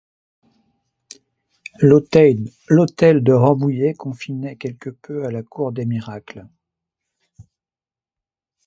L’hôtel de Rambouillet confinait quelque peu à la Cour des Miracles.